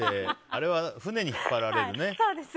あれは船に引っ張られるね。